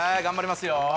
頑張りますよ